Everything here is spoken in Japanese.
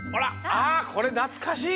あこれなつかしい！